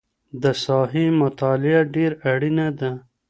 د ساحې مطالعه ډېره اړینه ده.